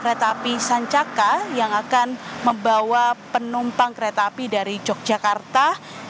kereta api sancaka yang akan membawa penumpang kereta api dari yogyakarta